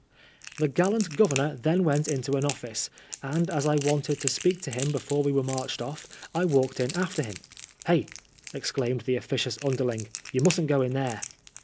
The gallant Governor then went into an of&ce, and as I wanted to speak to him before we were maix^hed off, I walked in after him. ^' Hi I" exclaimed the of&cious underling, " you mustn't go in there."